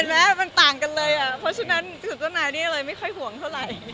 นะเหมือนมันต่างกันเลยเพราะฉะนั้นเจ้านายเดียวเลยไม่ค่อยห่วงเท่าไร